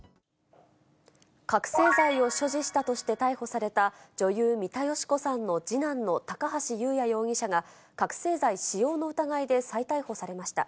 覚醒剤を所持したとして逮捕された女優、三田佳子さんの次男の高橋祐也容疑者が、覚醒剤使用の疑いで再逮捕されました。